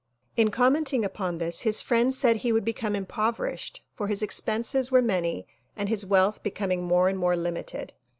In commenting upon this his friends said he would become impoverished, for his expenses were many and his wealth becoming more and more limited.